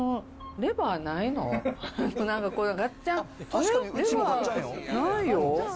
レバーないよ。